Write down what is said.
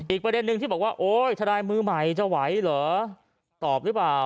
ประเด็นนึงที่บอกว่าโอ๊ยทนายมือใหม่จะไหวเหรอตอบหรือเปล่า